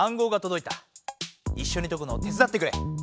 いっしょに解くのを手つだってくれ。